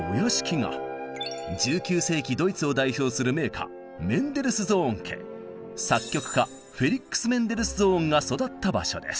１９世紀ドイツを代表する名家作曲家フェリックス・メンデルスゾーンが育った場所です。